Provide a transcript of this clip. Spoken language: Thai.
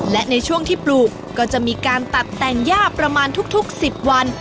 และในช่วงที่ปลูกก็จะมีการตัดแต่งย่าประมาณทุก๑๐วัน